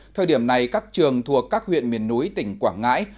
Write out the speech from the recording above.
thời điểm này các trường thuộc các huyện miền núi tỉnh quảng ngãi